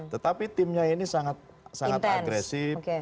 tetapi timnya ini sangat agresif